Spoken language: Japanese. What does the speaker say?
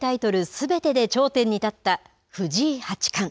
すべてで頂点に立った藤井八冠。